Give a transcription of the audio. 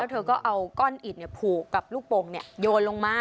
แล้วเธอก็เอาก้อนอิดเนี่ยผูกกับลูกโป่งเนี่ยโยนลงมา